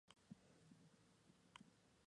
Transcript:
Así conoció a Edward Weston y Tina Modotti.